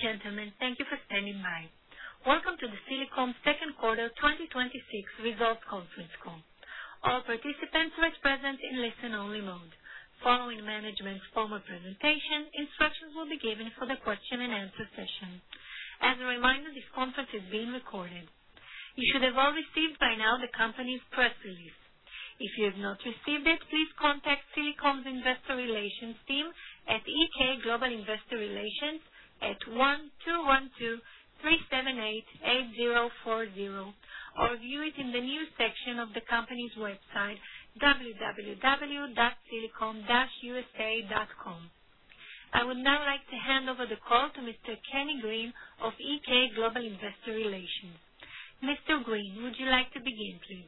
Ladies and gentlemen, thank you for standing by. Welcome to the Silicom second quarter 2026 results conference call. All participants are at present in listen only mode. Following management's formal presentation, instructions will be given for the question and answer session. As a reminder, this conference is being recorded. You should have all received by now the company's press release. If you have not received it, please contact Silicom's investor relations team at EK Global Investor Relations at 12123788040, or view it in the news section of the company's website, www.silicom-usa.com. I would now like to hand over the call to Mr. Kenny Green of EK Global Investor Relations. Mr. Green, would you like to begin, please?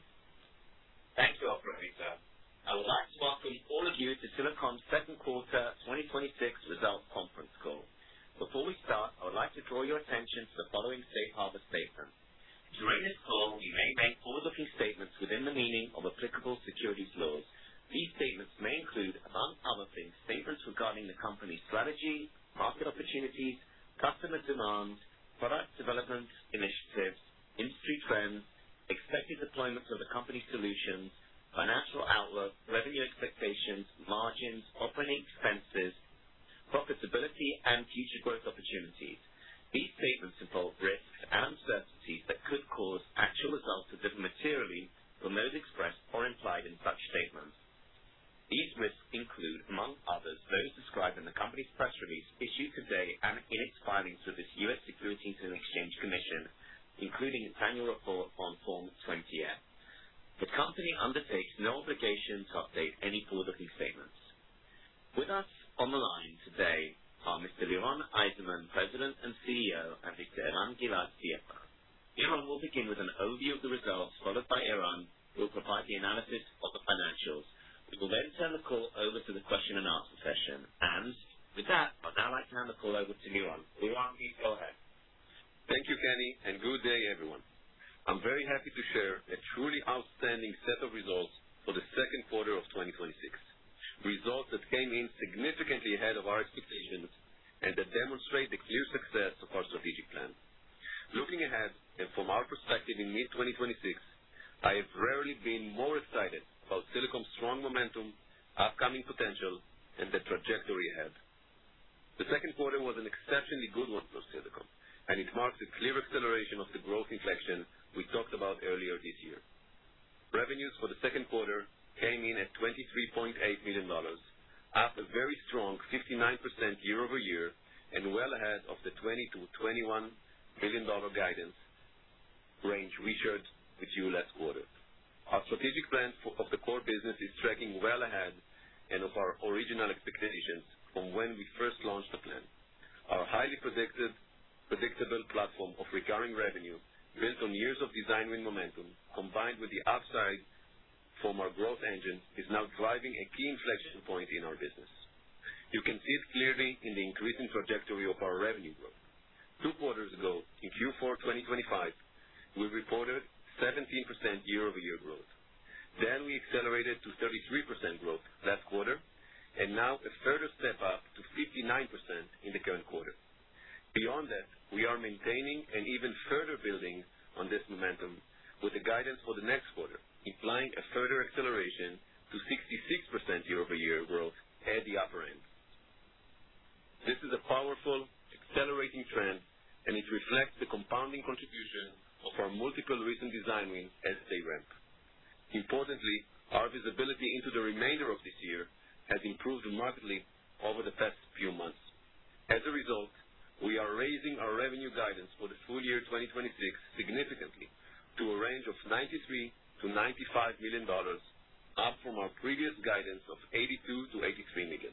Thank you, operator. I would like to welcome all of you to Silicom's second quarter 2026 results conference call. Before we start, I would like to draw your attention to the following safe harbor statement. During this call, we may make forward-looking statements within the meaning of applicable securities laws. These statements may include, among other things, statements regarding the company's strategy, market opportunities, customer demands, product development initiatives, industry trends, expected deployments of the company's solutions, financial outlook, revenue expectations, margins, operating expenses, profitability, and future growth opportunities. These statements involve risks and uncertainties that could cause actual results to differ materially from those expressed or implied in such statements. These risks include, among others, those described in the company's press release issued today and in its filings with the U.S. Securities and Exchange Commission, including its annual report on Form 20-F. The company undertakes no obligation to update any forward-looking statements. With us on the line today are Mr. Liron Eizenman, President and CEO, and Mr. Eran Gilad, CFO. Liron will begin with an overview of the results, followed by Eran, who will provide the analysis of the financials. We will then turn the call over to the question and answer session. With that, I'd now like to hand the call over to Liron. Liron, please go ahead. Thank you, Kenny, good day, everyone. I'm very happy to share a truly outstanding set of results for the second quarter of 2026. Results that came in significantly ahead of our expectations and that demonstrate the clear success of our strategic plan. Looking ahead, from our perspective in mid 2026, I have rarely been more excited about Silicom's strong momentum, upcoming potential, and the trajectory ahead. The second quarter was an exceptionally good one for Silicom, and it marked a clear acceleration of the growth inflection we talked about earlier this year. Revenues for the second quarter came in at $23.8 million, up a very strong 59% year-over-year well ahead of the $20 million-$21 million guidance range we shared with you last quarter. Our strategic plan of the core business is tracking well ahead and of our original expectations from when we first launched the plan. Our highly predictable platform of recurring revenue, built on years of Design Win momentum, combined with the upside from our growth engine, is now driving a key inflection point in our business. You can see it clearly in the increasing trajectory of our revenue growth. Two quarters ago, in Q4 2025, we reported 17% year-over-year growth. Then we accelerated to 33% growth last quarter. Now a further step up to 59% in the current quarter. Beyond that, we are maintaining and even further building on this momentum with the guidance for the next quarter, implying a further acceleration to 66% year-over-year growth at the upper end. This is a powerful accelerating trend. It reflects the compounding contribution of our multiple recent Design Wins as they ramp. Importantly, our visibility into the remainder of this year has improved markedly over the past few months. As a result, we are raising our revenue guidance for the full year 2026 significantly to a range of $93 million-$95 million, up from our previous guidance of $82 million-$83 million.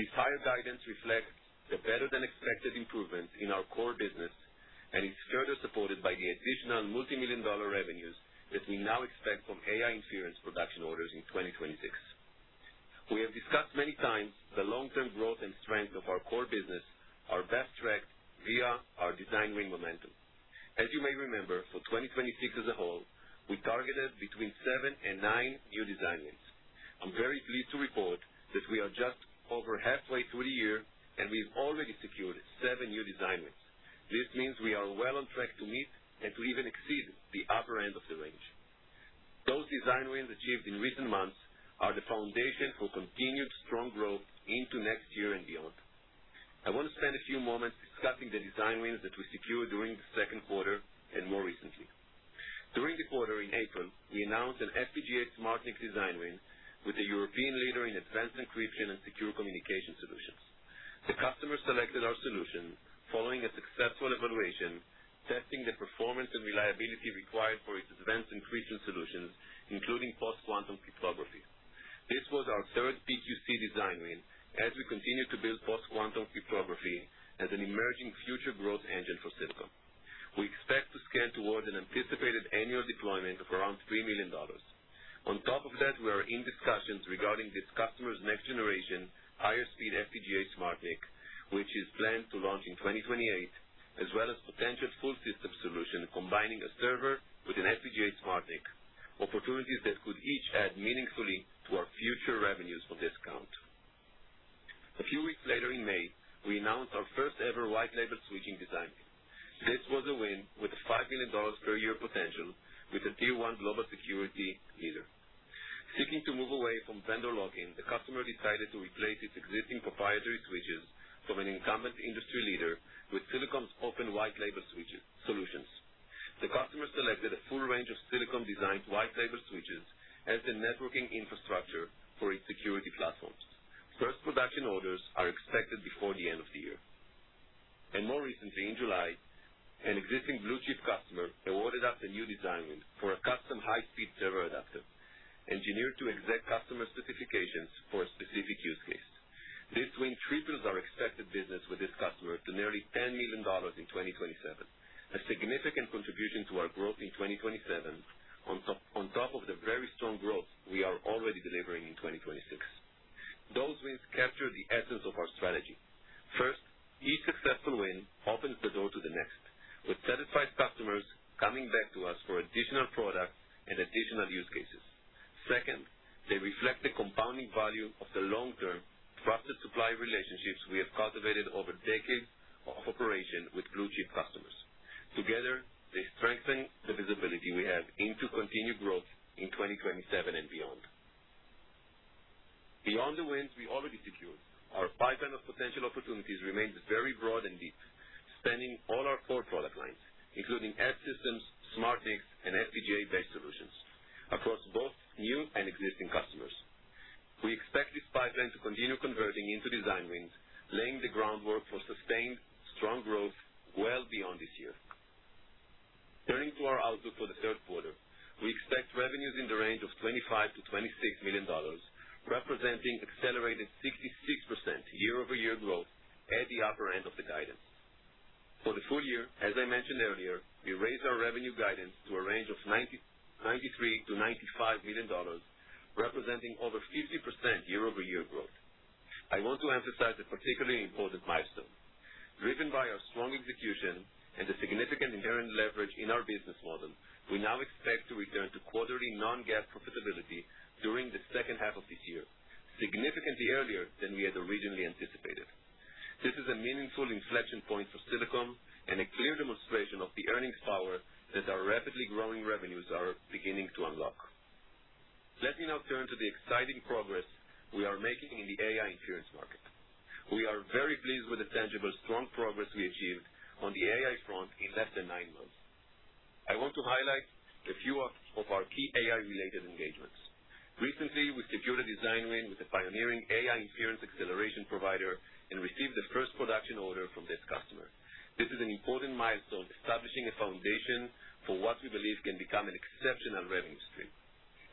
This higher guidance reflects the better-than-expected improvements in our core business and is further supported by the additional multi-million dollar revenues that we now expect from AI-Inference production orders in 2026. We have discussed many times the long-term growth and strength of our core business are best tracked via our Design Win momentum. As you may remember, for 2026 as a whole, we targeted between seven and nine new Design Wins. I'm very pleased to report that we are just over halfway through the year. We've already secured seven new Design Wins. This means we are well on track to meet and to even exceed the upper end of the range. Those Design Wins achieved in recent months are the foundation for continued strong growth into next year and beyond. I want to spend a few moments discussing the Design Wins that we secured during the second quarter and more recently. During the quarter, in April, we announced an FPGA SmartNIC Design Win with a European leader in advanced encryption and secure communication solutions. The customer selected our solution following a successful evaluation, testing the performance and reliability required for its advanced encryption solutions, including Post Quantum Cryptography. This was our third PQC Design Win as we continue to build Post Quantum Cryptography as an emerging future growth engine for Silicom. We expect to scale towards an anticipated annual deployment of around $3 million. On top of that, we are in discussions regarding this customer's next generation higher speed FPGA SmartNIC, which is planned to launch in 2028, as well as potential full system solution combining a server with an FPGA SmartNIC. Opportunities that could each add meaningfully to our future revenues from this account. A few weeks later in May, we announced our first-ever white label switching Design Win. This was a win with a $5 million per year potential with a tier one global security leader. Seeking to move away from vendor lock-in, the customer decided to replace its existing proprietary switches from an incumbent industry leader with Silicom's open white label switching solutions. The customer selected a full range of Silicom designed white label switches as the networking infrastructure for its security platforms. First production orders are expected before the end of the year. Then more recently, in July, an existing blue-chip customer awarded us a new Design Win for a custom high-speed server adapter, engineered to exact customer specifications for a specific use case. This win triples our expected business with this customer to nearly $10 million in 2027, a significant contribution to our growth in 2027 on top of the very strong growth we are already delivering in 2026. Those wins capture the essence of our strategy. First, each successful win opens the door to the next, with satisfied customers coming back to us for additional products and additional use cases. Second, they reflect the compounding value of the long-term trusted supply relationships we have cultivated over decades of operation with blue-chip customers. Together, they strengthen the visibility we have into continued growth in 2027 and beyond. Beyond the wins we already secured, our pipeline of potential opportunities remains very broad and deep, spanning all our core product lines, including Edge systems, SmartNICs, and FPGA-based solutions across both new and existing customers. We expect this pipeline to continue converting into Design Wins, laying the groundwork for sustained strong growth well beyond this year. Turning to our outlook for the third quarter, we expect revenues in the range of $25 million-$26 million, representing accelerated 66% year-over-year growth at the upper end of the guidance. For the full year, as I mentioned earlier, we raised our revenue guidance to a range of $93 million-$95 million, representing over 50% year-over-year growth. I want to emphasize a particularly important milestone. Driven by our strong execution and the significant inherent leverage in our business model, we now expect to return to quarterly non-GAAP profitability during the second half of this year, significantly earlier than we had originally anticipated. This is a meaningful inflection point for Silicom and a clear demonstration of the earnings power that our rapidly growing revenues are beginning to unlock. Let me now turn to the exciting progress we are making in the AI-Inference market. We are very pleased with the tangible, strong progress we achieved on the AI front in less than nine months. I want to highlight a few of our key AI-related engagements. Recently, we secured a Design Win with a pioneering AI-Inference acceleration provider and received the first production order from this customer. This is an important milestone, establishing a foundation for what we believe can become an exceptional revenue stream.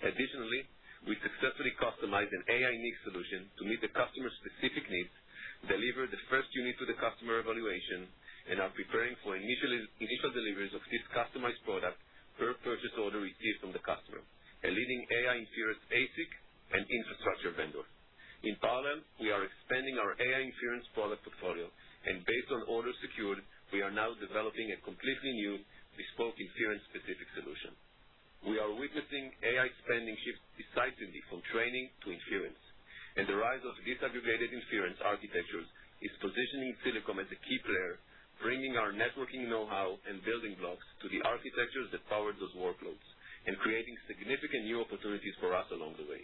Additionally, we successfully customized an AI NIC solution to meet the customer's specific needs, delivered the first unit to the customer evaluation, and are preparing for initial deliveries of this customized product per purchase order received from the customer, a leading AI-Inference ASIC and infrastructure vendor. In parallel, we are expanding our AI-Inference product portfolio, and based on orders secured, we are now developing a completely new bespoke inference-specific solution. We are witnessing AI spending shift decisively from training to inference, and the rise of disaggregated inference architectures is positioning Silicom as a key player, bringing our networking know-how and building blocks to the architectures that power those workloads and creating significant new opportunities for us along the way.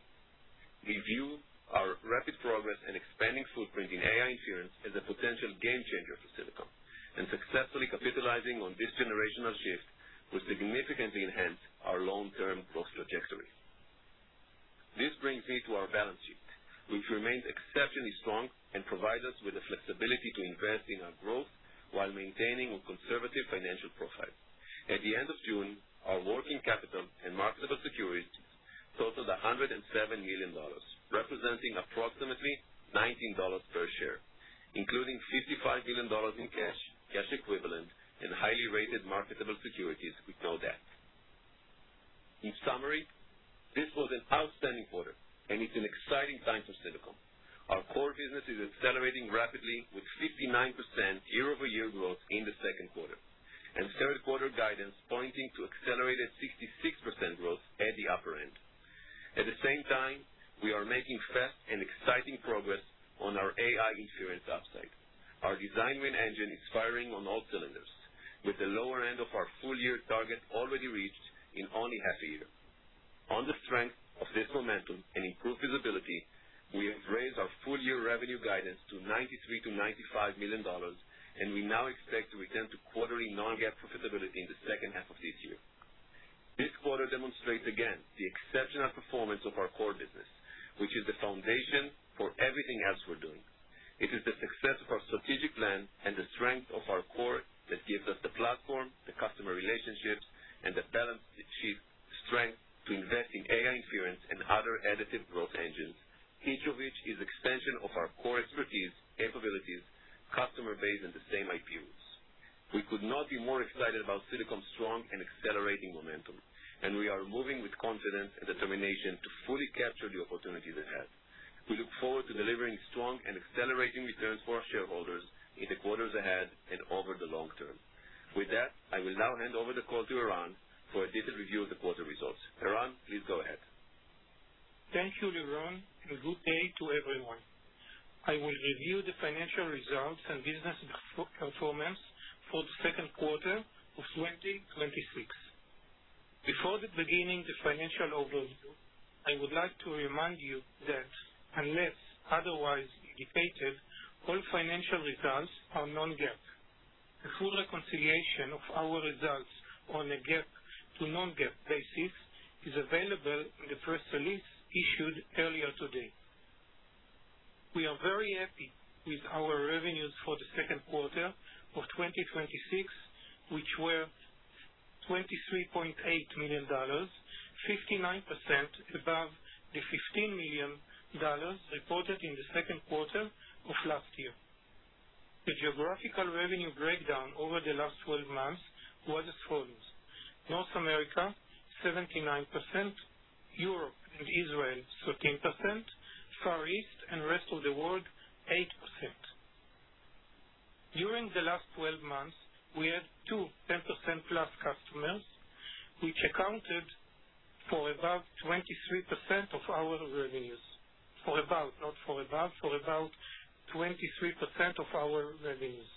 We view our rapid progress and expanding footprint in AI-Inference as a potential game changer for Silicom. Successfully capitalizing on this generational shift will significantly enhance our long-term growth trajectory. This brings me to our balance sheet, which remains exceptionally strong and provides us with the flexibility to invest in our growth while maintaining a conservative financial profile. At the end of June, our working capital and marketable securities totaled $107 million, representing approximately $19 per share, including $55 million in cash equivalent, and highly rated marketable securities with no debt. In summary, this was an outstanding quarter. It's an exciting time for Silicom. Our core business is accelerating rapidly, with 59% year-over-year growth in the second quarter. Third quarter guidance pointing to accelerated 66% growth at the upper end. At the same time, we are making fast and exciting progress on our AI-Inference upside. Our Design Win engine is firing on all cylinders, with the lower end of our full year target already reached in only half a year. On the strength of this momentum and improved visibility, we have raised our full year revenue guidance to $93 million-$95 million. We now expect to return to quarterly non-GAAP profitability in the second half of this year. This quarter demonstrates again the exceptional performance of our core business, which is the foundation for everything else we're doing. It is the success of our strategic plan and the strength of our core that gives us the platform, the customer relationships, and the balanced sheet strength to invest in AI-Inference and other additive growth engines, each of which is extension of our core expertise, capabilities, customer base, and the same IP roots. We could not be more excited about Silicom's strong and accelerating momentum. We are moving with confidence and determination to fully capture the opportunities ahead. We look forward to delivering strong and accelerating returns for our shareholders in the quarters ahead and over the long term. With that, I will now hand over the call to Eran for a detailed review of the quarter results. Eran, please go ahead. Thank you, Liron. Good day to everyone. I will review the financial results and business performance for the second quarter of 2026. Before beginning the financial overview, I would like to remind you that unless otherwise indicated, all financial results are non-GAAP. A full reconciliation of our results on a GAAP to non-GAAP basis is available in the press release issued earlier today. We are very happy with our revenues for the second quarter of 2026, which were $23.8 million, 59% above the $15 million reported in the second quarter of last year. The geographical revenue breakdown over the last 12 months was as follows: North America, 79%, Europe and Israel, 13%, Far East and rest of the world, 8%. During the last 12 months, we had two 10%+ customers, which accounted for about 23% of our revenues.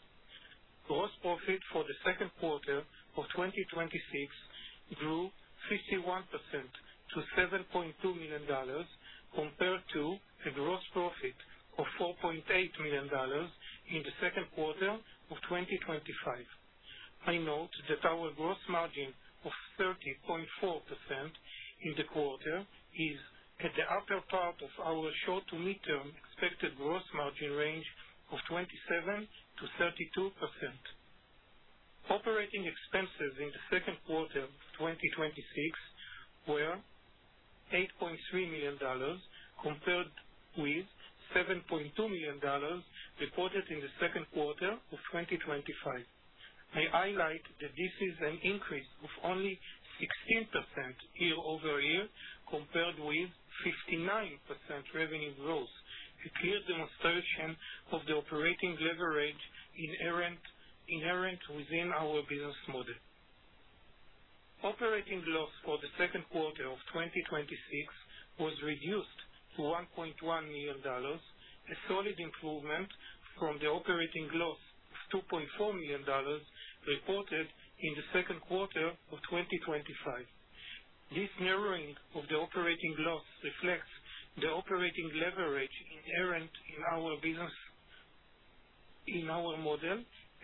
Gross profit for the second quarter of 2026 grew 51% to $7.2 million, compared to a gross profit of $4.8 million in the second quarter of 2025. I note that our gross margin of 30.4% in the quarter is at the upper part of our short to midterm expected gross margin range of 27%-32%. Operating expenses in the second quarter 2026 were $8.3 million, compared with $7.2 million reported in the second quarter of 2025. I highlight that this is an increase of only 16% year-over-year, compared with 59% revenue growth, a clear demonstration of the operating leverage inherent within our business model. Operating loss for the second quarter of 2026 was reduced to $1.1 million, a solid improvement from the operating loss of $2.4 million reported in the second quarter of 2025. This narrowing of the operating loss reflects the operating leverage inherent in our model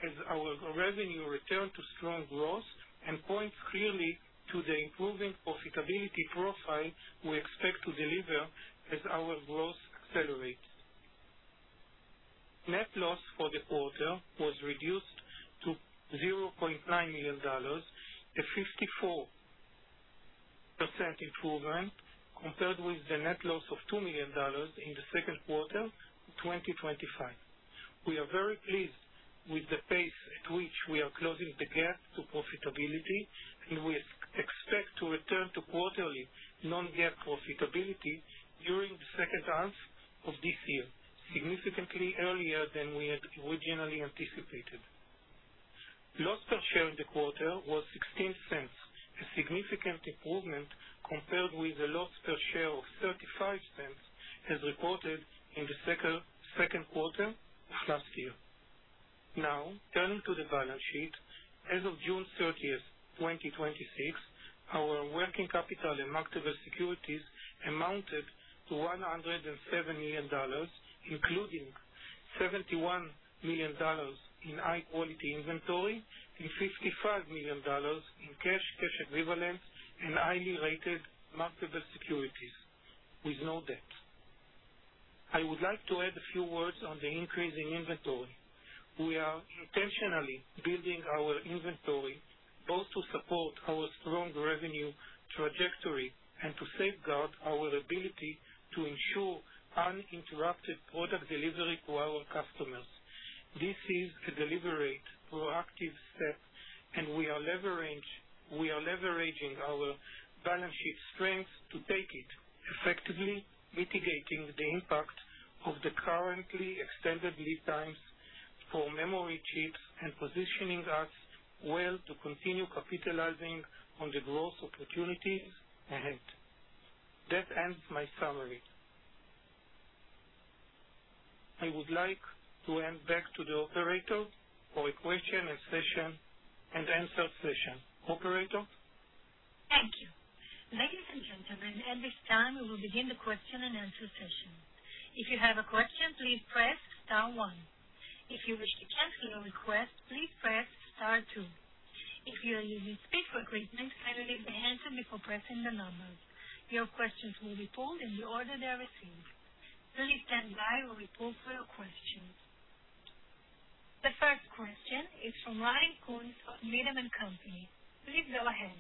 as our revenue returned to strong growth and points clearly to the improving profitability profile we expect to deliver as our growth accelerates. Net loss for the quarter was reduced to $0.9 million, a 54% improvement compared with the net loss of $2 million in the second quarter of 2025. We are very pleased with the pace at which we are closing the gap to profitability, we expect to return to quarterly non-GAAP profitability during the second half of this year, significantly earlier than we had originally anticipated. Loss per share in the quarter was $0.16, a significant improvement compared with a loss per share of $0.35 as reported in the second quarter of last year. Now, turning to the balance sheet. As of June 30th, 2026, our working capital and marketable securities amounted to $107 million, including $71 million in high-quality inventory and $55 million in cash and cash equivalents, and highly rated marketable securities, with no debt. I would like to add a few words on the increase in inventory. We are intentionally building our inventory both to support our strong revenue trajectory and to safeguard our ability to ensure uninterrupted product delivery to our customers. This is a deliberate, proactive step, we are leveraging our balance sheet strengths to take it, effectively mitigating the impact of the currently extended lead times for memory chips and positioning us well to continue capitalizing on the growth opportunities ahead. That ends my summary. I would like to hand back to the operator for a question and answer session. Operator? Thank you. Ladies and gentlemen, at this time, we will begin the question and answer session. If you have a question, please press star one. If you wish to cancel your request, please press star two. If you are using speaker equipment, kindly lift the handset before pressing the numbers. Your questions will be pulled in the order they are received. Please stand by while we pull for your questions. The first question is from Ryan Koontz of Needham & Company. Please go ahead.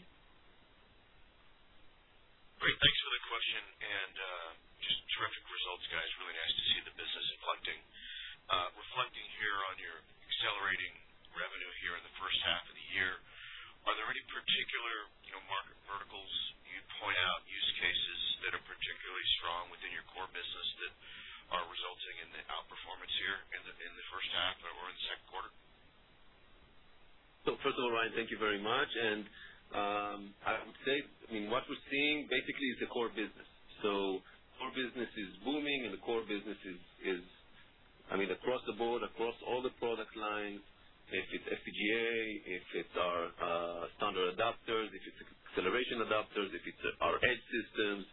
Great. Thanks for the question, and just terrific results, guys. Really nice to see the business inflecting. Reflecting here on your accelerating revenue here in the first half of the year. Are there any particular market verticals you point out use cases that are particularly strong within your core business that are resulting in the outperformance here in the first half or in the second quarter? First of all, Ryan, thank you very much. I would say, what we're seeing basically is the core business. The core business is booming, and the core business is across the board, across all the product lines. If it's FPGA, if it's our standard adapters, if it's acceleration adapters, if it's our Edge systems,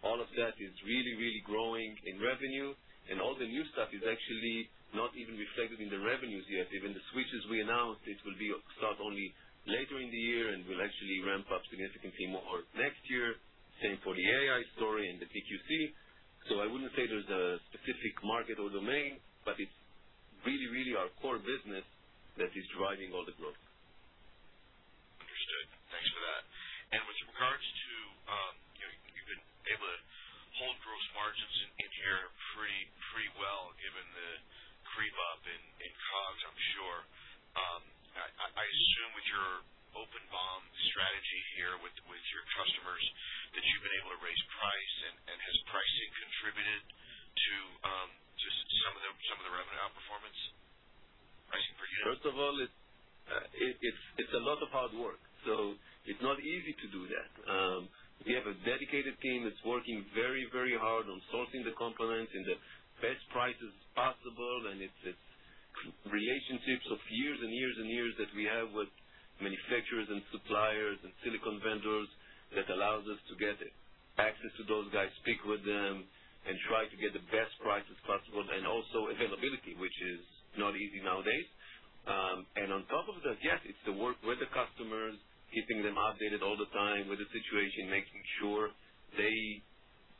all of that is really, really growing in revenue. All the new stuff is actually not even reflected in the revenues yet. Even the switches we announced, it will be start only later in the year and will actually ramp up significantly more next year. Same for the AI story and the PQC. I wouldn't say there's a specific market or domain, but it's really, really our core business that is driving all the growth. Understood. Thanks for that. With regards to, you've been able to hold gross margins in here pretty well given the creep up in costs, I'm sure. I assume with your open BOM strategy here with your customers, that you've been able to raise price, has pricing contributed to some of the revenue outperformance? Pricing for you. First of all, it's a lot of hard work, so it's not easy to do that. We have a dedicated team that's working very, very hard on sourcing the components and the best prices possible, and it's relationships of years and years and years that we have with manufacturers and suppliers and silicon vendors that allows us to get access to those guys, speak with them, and try to get the best prices possible, and also availability, which is not easy nowadays. On top of that, yes, it's the work with the customers, keeping them updated all the time with the situation, making sure they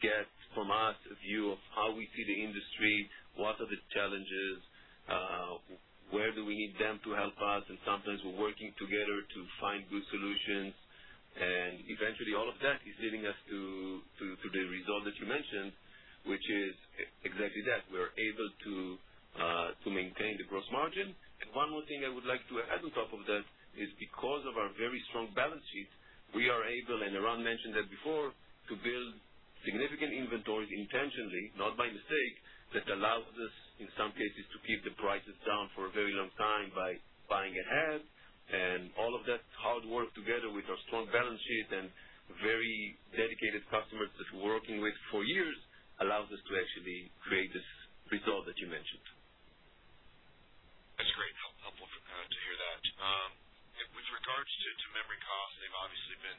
get from us a view of how we see the industry, what are the challenges, where do we need them to help us? Sometimes we're working together to find good solutions. Eventually all of that is leading us to the result that you mentioned, which is exactly that, we are able to maintain the gross margin. One more thing I would like to add on top of that is because of our very strong balance sheet, we are able, and Eran mentioned that before, to build significant inventories intentionally, not by mistake. That allows us, in some cases, to keep the prices down for a very long time by buying ahead. All of that hard work, together with our strong balance sheet and very dedicated customers that we're working with for years, allows us to actually create this result that you mentioned. That's great. Helpful to hear that. With regards to memory costs, they've obviously been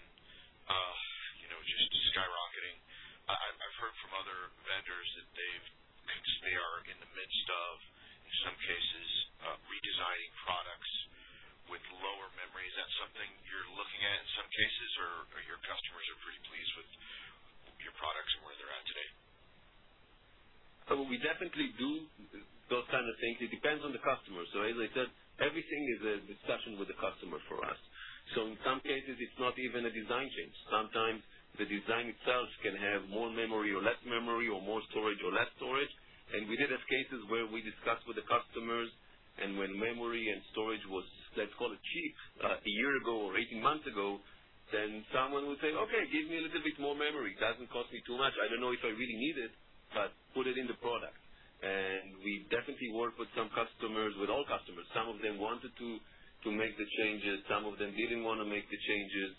just skyrocketing. I've heard from other vendors that they are in the midst of, in some cases, redesigning products with lower memory. Is that something you're looking at in some cases, or your customers are pretty pleased with your products and where they're at today? We definitely do those kind of things. It depends on the customer. As I said, everything is a discussion with the customer for us. In some cases, it's not even a design change. Sometimes the design itself can have more memory or less memory, or more storage or less storage. We did have cases where we discussed with the customers, and when memory and storage was, let's call it cheap, a year ago or 18 months ago, then someone would say, "Okay, give me a little bit more memory. It doesn't cost me too much. I don't know if I really need it, but put it in the product." We definitely work with some customers, with all customers. Some of them wanted to make the changes, some of them didn't want to make the changes.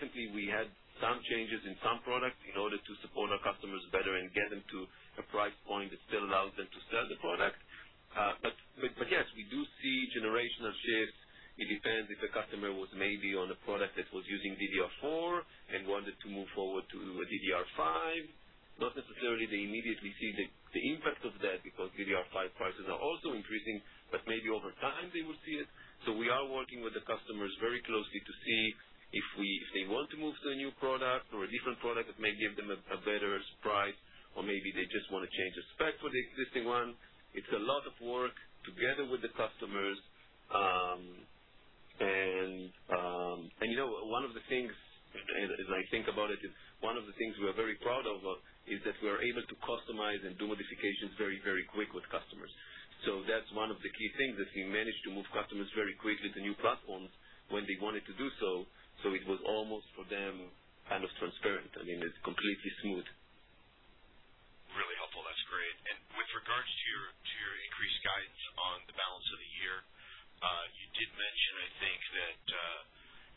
Definitely we had some changes in some products in order to support our customers better and get them to a price point that still allows them to sell the product. But yes, we do see generational shifts. It depends if a customer was maybe on a product that was using DDR4 and wanted to move forward to DDR5. Not necessarily they immediately see the impact of that because DDR5 prices are also increasing, but maybe over time they will see it. We are working with the customers very closely to see if they want to move to a new product or a different product that may give them a better price, or maybe they just want to change the spec for the existing one. It's a lot of work together with the customers. One of the things, as I think about it, is one of the things we are very proud of is that we are able to customize and do modifications very, very quick with customers. That's one of the key things, that we managed to move customers very quickly to new platforms when they wanted to do so. It was almost for them kind of transparent. I mean, it's completely smooth. Really helpful. That's great. With regards to your increased guidance on the balance of the year, you did mention, I think that,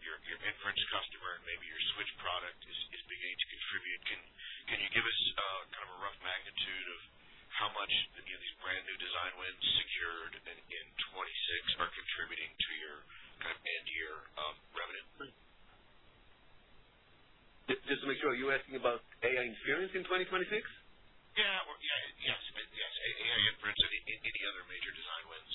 your inference customer and maybe your switch product is beginning to contribute. Can you give us kind of a rough magnitude of how much these brand new Design Wins secured in 2026 are contributing to your kind of end year revenue? Just to make sure, are you asking about AI-Inference in 2026? Yeah. Yes. AI-Inference. Any other major Design Wins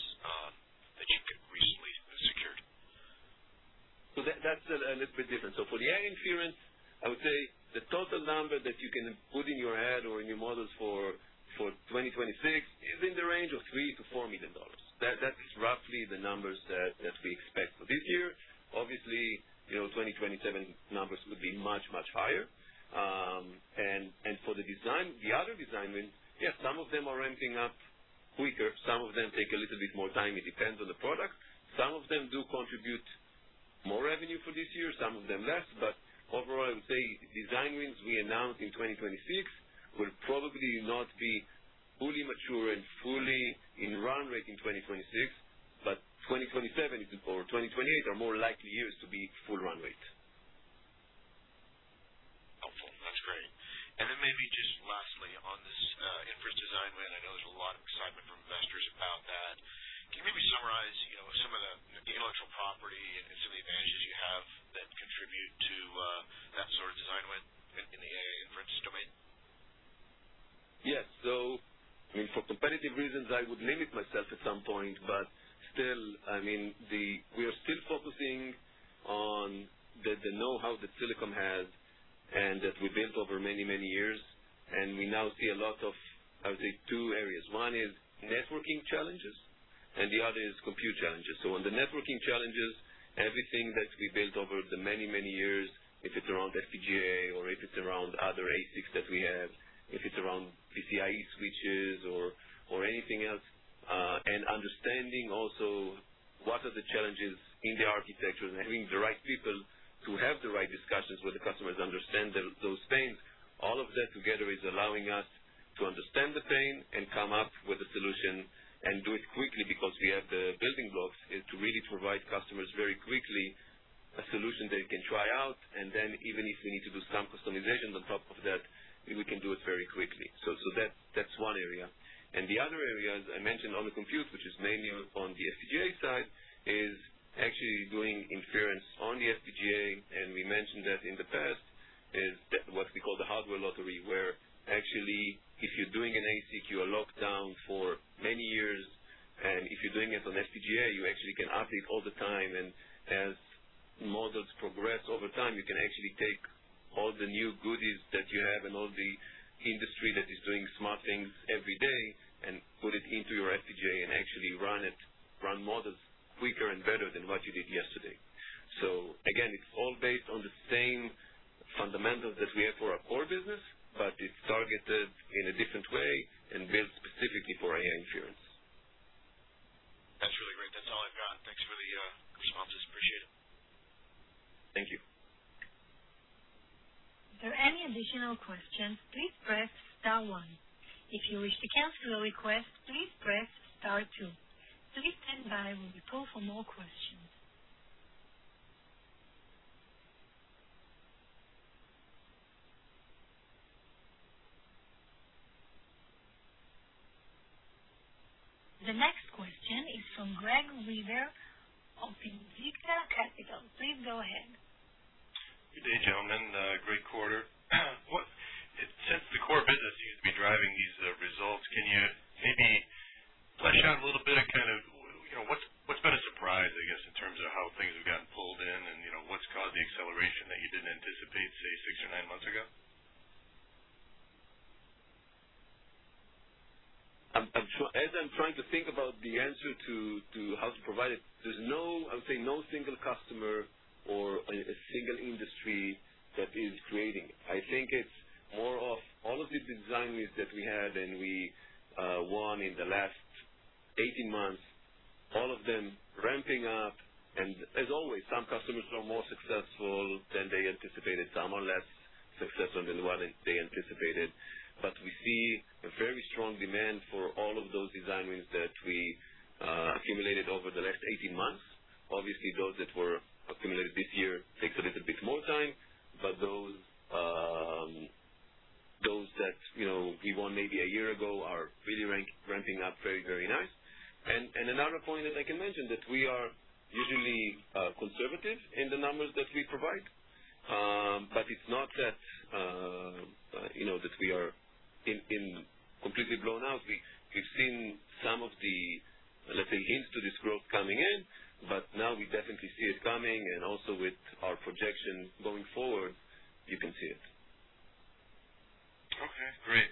that you've recently secured? That's a little bit different. For the AI-Inference, I would say the total number that you can put in your head or in your models for 2026 is in the range of $3 million-$4 million. That's roughly the numbers that we expect for this year. Obviously 2027 numbers would be much higher. For the other Design Wins, yeah, some of them are ramping up quicker. Some of them take a little bit more time. It depends on the product. Some of them do contribute more revenue for this year, some of them less. Overall, I would say Design Wins we announced in 2026 will probably not be fully mature and fully in run rate in 2026, but 2027 or 2028 are more likely years to be full run rate. Helpful. That's great. Then maybe just lastly, on this inference Design Win, I know there's a lot of excitement from investors about that. Can you maybe summarize some of the intellectual property and some of the advantages you have that contribute to that sort of Design Win in the AI-Inference domain? Yes. For competitive reasons, I would limit myself at some point, but we are still focusing on the know-how that Silicom has that we built over many, many years. We now see a lot of, I would say, two areas. One is networking challenges, and the other is compute challenges. On the networking challenges, everything that we built over the many, many years, if it's around FPGA or if it's around other ASICs that we have, if it's around PCIe switches or anything else, and understanding also what are the challenges in the architecture and having the right people to have the right discussions with the customers to understand those pains. All of that together is allowing us to understand the pain and come up with a solution and do it quickly because we have the building blocks to really provide customers very quickly a solution they can try out, and then even if we need to do some customization on top of that, we can do it very quickly. That's one area, the other area, as I mentioned, on the compute, which is mainly on the FPGA side, is actually doing inference on the FPGA, and we mentioned that in the past, is what we call the hardware lottery, where actually, if you're doing an ASIC, you are locked down for many years, and if you're doing it on FPGA, you actually can update all the time, and as models progress over time, you can actually take all the new goodies that you have and all the industry that is doing smart things every day and put it into your FPGA and actually run models quicker and better than what you did yesterday. Again, it's all based on the same fundamentals that we have for our core business, but it's targeted in a different way and built specifically for AI-Inference. That's really great. That's all I've got. Thanks for the responses. Appreciate it. Thank you. If there are any additional questions, please press star one. If you wish to cancel a request, please press star two. Please stand by while we pull for more questions. The next question is from Greg Weaver of Invicta Capital. Please go ahead. Good day, gentlemen. Great quarter. Since the core business seems to be driving these results, can you maybe touch on a little bit of kind of what's been a surprise, I guess, in terms of how things have gotten pulled in and what's caused the acceleration that you didn't anticipate, say, six or nine months ago? As I'm trying to think about the answer to how to provide it, there's, I would say, no single customer or a single industry that is creating it. I think it's more of all of the Design Wins that we had and we won in the last 18 months, all of them ramping up, and as always, some customers are more successful than they anticipated, some are less successful than what they anticipated. We see a very strong demand for all of those Design Wins that we accumulated over the last 18 months. Obviously, those that were accumulated this year take a little bit more time, but those that we won maybe a year ago are really ramping up very, very nice. Another point that I can mention, that we are usually conservative in the numbers that we provide, but it's not that we are completely blown out. We've seen some of the, let's say, hints to this growth coming in, but now we definitely see it coming, and also with our projection going forward, you can see it. Okay. Great.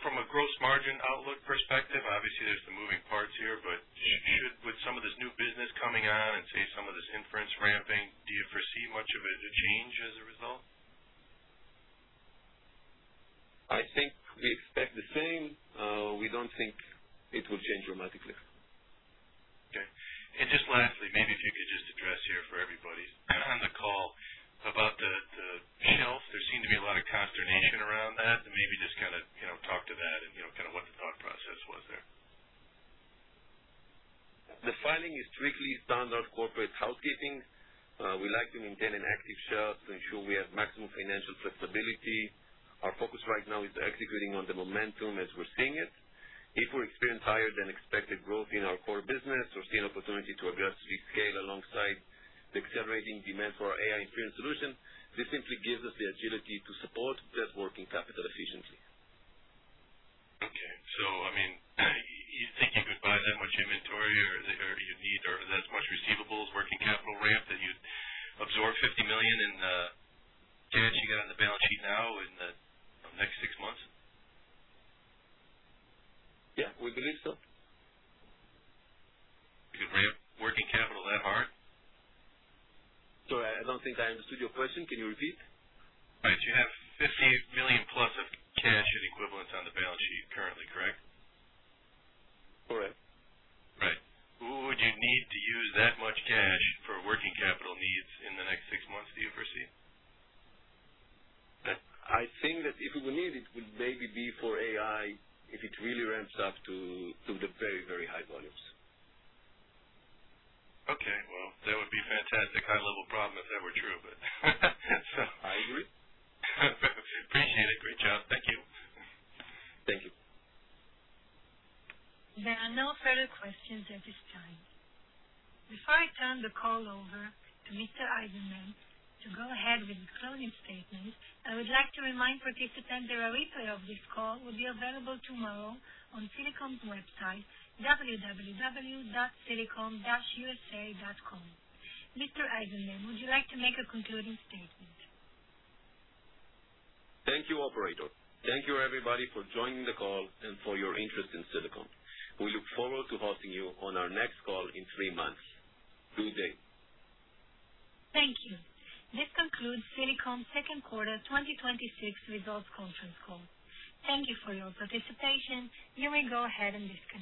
From a gross margin outlook perspective, obviously, there's the moving parts here, but with some of this new business coming on and, say, some of this inference ramping, do you foresee much of a change as a result? I think we expect the same. We don't think it will change dramatically. Okay. Just lastly, maybe if you could just address here for everybody on the call about the shelf. There seemed to be a lot of consternation around that. Maybe just kind of talk to that and kind of what the thought process was there. The filing is strictly standard corporate housekeeping. We like to maintain an active shelf to ensure we have maximum financial flexibility. Our focus right now is executing on the momentum as we're seeing it. If we experience higher than expected growth in our core business or see an opportunity to aggressively scale alongside the accelerating demand for our AI-Inference solution, this simply gives us the agility to support that working capital efficiency. Okay. You think you could buy that much inventory or that you need, or that much receivables working capital ramp that you'd absorb $50 million in cash you got on the balance sheet now in the next six months? Yeah, we believe so. You could ramp working capital that hard? Sorry, I don't think I understood your question. Can you repeat? Right. You have $50+ million of cash and equivalents on the balance sheet currently, correct? Correct. Right. Would you need to use that much cash for working capital needs in the next six months, do you foresee? I think that if we will need it would maybe be for AI, if it really ramps up to the very, very high volumes. Okay. Well. That would be a fantastic high-level problem if that were true. I agree. Appreciate it. Great job. Thank you. Thank you. There are no further questions at this time. Before I turn the call over to Mr. Eizenman to go ahead with the closing statement, I would like to remind participants that a replay of this call will be available tomorrow on Silicom's website, www.silicom-usa.com. Mr. Eizenman, would you like to make a concluding statement? Thank you, operator. Thank you, everybody, for joining the call and for your interest in Silicom. We look forward to hosting you on our next call in three months. Good day. Thank you. This concludes Silicom's second quarter 2026 results conference call. Thank you for your participation. You may go ahead and disconnect.